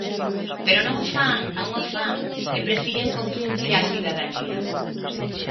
Pero non o fan, non o fan, e prefiren confundir a cidadanía.